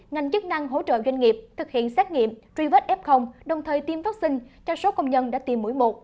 ngành chức năng hỗ trợ doanh nghiệp thực hiện xét nghiệm truy vết f đồng thời tiêm vaccine cho số công nhân đã tiêm mũi một